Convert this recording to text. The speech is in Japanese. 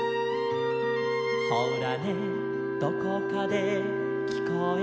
「ほらねどこかできこえるよ」